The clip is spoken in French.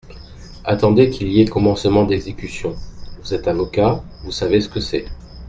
Attendez qu'il y ait commencement d'exécution, vous êtes avocat, vous savez ce que c'est.